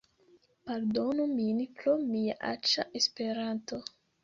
Pardonu min pro mia aĉa Esperanto